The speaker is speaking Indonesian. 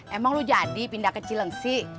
emang lo jadi pindah ke cilengsi